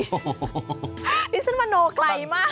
โอ้โฮพิศาลมโมโนใกล่มาก